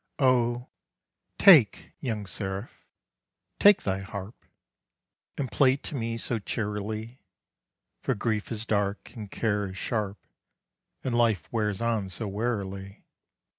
Oh! take, young Seraph, take thy harp, And play to me so cheerily; For grief is dark, and care is sharp, And life wears on so wearily.